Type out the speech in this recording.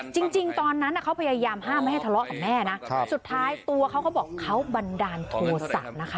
จริงตอนนั้นเขาพยายามห้ามไม่ให้ทะเลาะกับแม่นะสุดท้ายตัวเขาก็บอกเขาบันดาลโทษะนะคะ